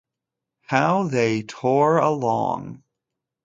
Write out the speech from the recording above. How they tore along!